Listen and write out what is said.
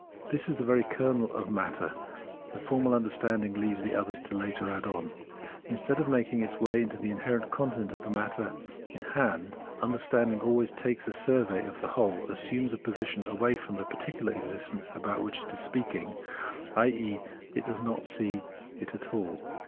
This, the very kernel of the matter, formal understanding leaves to others to add later on. Instead of making its way into the inherent content of the matter in 52 Phenomenology of Mind hand, understanding always takes a survey of the whole, assumes a position away from the particular ex istence about which it is speaking, i.e. it does not see it at all.